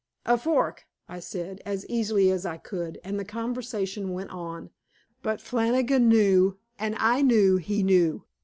"A fork," I said, as easily as I could, and the conversation went on. But Flannigan knew, and I knew he knew.